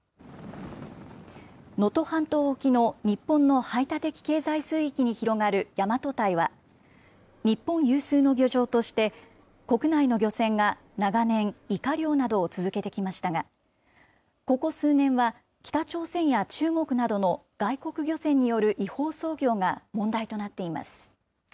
能登半島沖の日本の排他的経済水域に広がる大和堆は、日本有数の漁場として、国内の漁船が長年、イカ漁などを続けてきましたが、ここ数年は、北朝鮮や中国などの外国漁船による違法操業が問題となっています。